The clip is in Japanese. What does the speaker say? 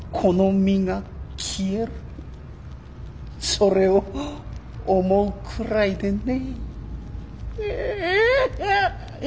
それを思うくらいでね。